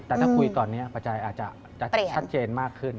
แต่ถ้าคุยตอนนี้ปัจจัยอาจจะชัดเจนมากขึ้น